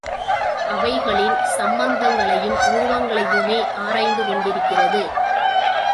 அவைகளின் சம்பந்தங்களையும், உருவங்களையுமே ஆராய்ந்து கொண்டிருக்கிறது.